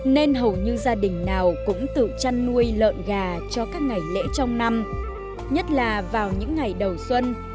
nên hầu như gia đình nào cũng tự chăn nuôi lợn gà cho các ngày lễ trong năm nhất là vào những ngày đầu xuân